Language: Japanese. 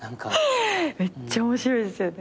めっちゃ面白いですよね。